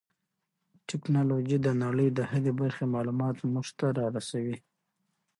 ټیکنالوژي د نړۍ د هرې برخې معلومات موږ ته را رسوي.